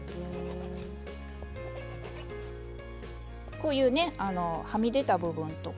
こういうねはみ出た部分とか。